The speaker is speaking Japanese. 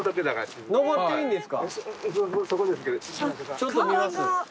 ちょっと見ます。